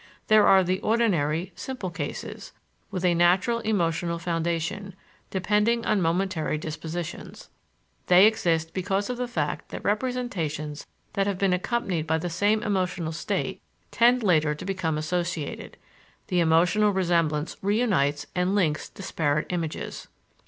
There are the ordinary, simple cases, with a natural, emotional foundation, depending on momentary dispositions. They exist because of the fact that representations that have been accompanied by the same emotional state tend later to become associated: the emotional resemblance reunites and links disparate images.